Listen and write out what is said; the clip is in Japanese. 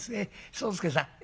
宗助さん